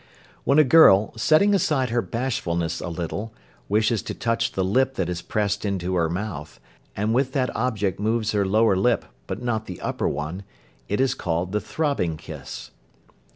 When a girl, setting aside her bashfulness a little, wishes to touch the lip that is pressed into her mouth, and with that object moves her lower lip, but not the upper one, it is called the "throbbing kiss."